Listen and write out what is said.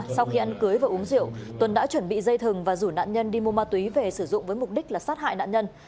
sau khi ăn cưới và uống rượu tuấn đã chuẩn bị dây thừng và rủ nạn nhân đi mua ma túy về sử dụng với mục đích là sát hại nạn nhân